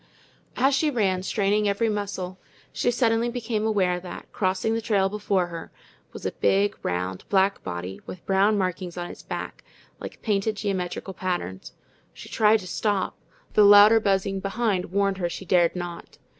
As she ran, straining every muscle, she suddenly became aware that, crossing the trail before her, was a big, round, black body, with brown markings on its back, like painted geometrical patterns. She tried to stop, but the louder buzzing behind warned her she dared not.